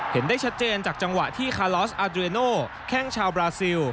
เห็นได้ชัดเจนจากจังหวะที่คาลอสอาดเรโนแข้งชาวบราซิล